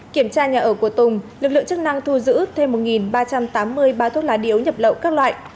kiểm tra nhà ở của tùng lực lượng chức năng thu giữ thêm một ba trăm tám mươi bao thuốc lá điếu nhập lậu các loại